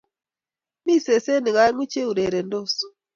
Mi sesenik aeng'u che urerendos